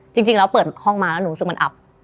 จริงแล้วเปิดห้องมาแล้วหนูรู้สึกมันอับ